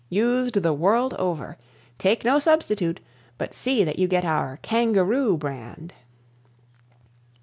Used the world over. Take no substitute but see that you get our "Kangaroo" Brand.